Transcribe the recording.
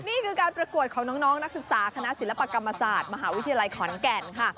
นี่คือการประกวดของน้องนักศึกษาคณะศิลปกรรมศาสตร์มหาวิทยาลัยขอนแก่นค่ะ